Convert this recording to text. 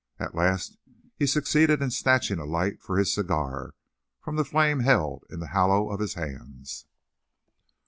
At last he succeeded in snatching a light for his cigar from the flame held in the hollow of his hands.